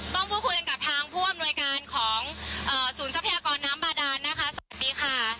ต้องพูดคุยกันกับทางผู้อำนวยการของศูนย์ทรัพยากรน้ำบาดานนะคะสวัสดีค่ะ